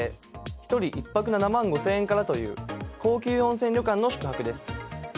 １日１泊７万５０００円からという高級温泉旅館の宿泊です。